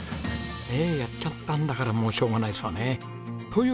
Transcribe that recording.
ねえやっちゃったんだからもうしょうがないですわね。という